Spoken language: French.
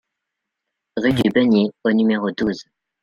Rue du Beunier au numéro douze